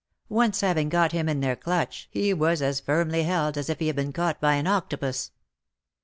Once having got him in their clutch he was as firmly held as if he had been caught by an octopus.